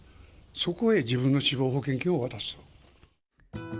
そこへ自分の死亡保険金を渡す。